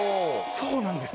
そうなんです。